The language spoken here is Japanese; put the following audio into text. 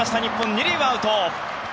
２塁はアウト。